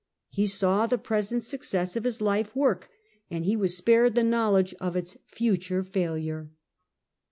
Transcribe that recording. He saw the present success of his life work and he was spared the knowledge of its future failure.